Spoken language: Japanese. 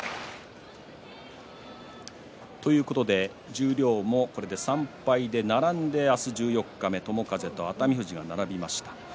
十両もこれで３敗で並んで明日、十四日目友風と熱海富士が並びました。